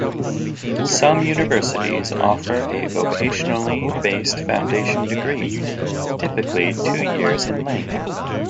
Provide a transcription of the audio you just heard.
Some universities offer a vocationally based Foundation degree, typically two years in length.